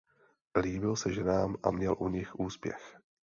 Líbil se ženám a měl u nich úspěch.